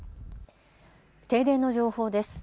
停電の情報です。